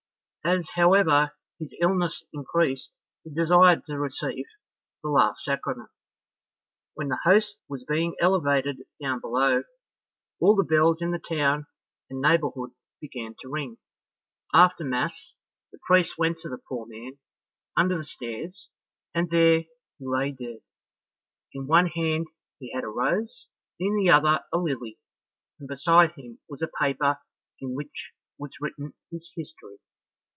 As, however, his illness increased, he desired to receive the last sacrament. When the host was being elevated down below, all the bells in the town and neighbourhood began to ring. After mass the priest went to the poor man under the stairs, and there he lay dead. In one hand he had a rose, in the other a lily, and beside him was a paper in which was written his history.